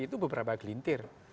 itu beberapa gelintir